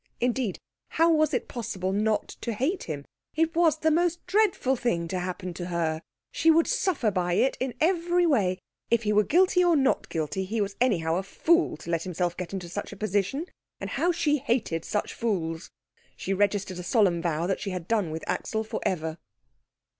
Indeed, how was it possible not to hate him? It was the most dreadful thing to happen to her. She would suffer by it in every way. If he were guilty or not guilty, he was anyhow a fool to let himself get into such a position, and how she hated such fools! She registered a solemn vow that she had done with Axel for ever.